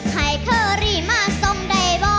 เค้ารีมาส่งได้บ่